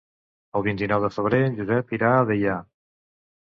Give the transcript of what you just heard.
El vint-i-nou de febrer en Josep irà a Deià.